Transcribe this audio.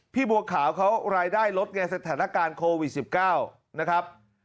บัวขาวเขารายได้ลดไงสถานการณ์โควิด๑๙นะครับ